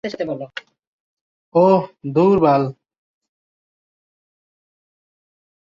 ওহ, ধুর বাল।